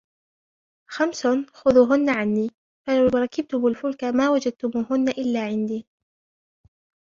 خَمْسٌ خُذُوهُنَّ عَنِّي فَلَوْ رَكِبْتُمْ الْفُلْكَ مَا وَجَدْتُمُوهُنَّ إلَّا عِنْدِي